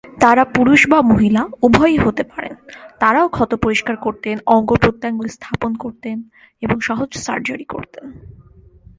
তারা পুরুষ বা মহিলা উভয়ই হতে পারেন, তারাও ক্ষত পরিষ্কার করতেন, অঙ্গ-প্রত্যঙ্গ স্থাপন করতেন এবং সহজ সার্জারি করতেন।